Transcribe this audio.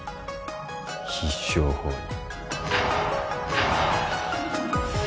必勝法に。